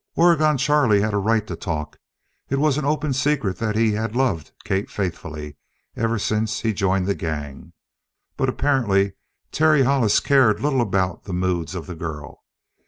Oregon Charlie had a right to talk. It was an open secret that he had loved Kate faithfully ever since he joined the gang. But apparently Terry Hollis cared little about the moods of the girl.